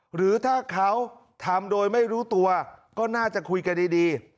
หรือถ้าเขาทำโดยไม่รู้ตัวก็น่าจะคุยกันดี